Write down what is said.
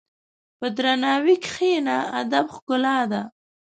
په درناوي کښېنه، ادب ښکلا ده.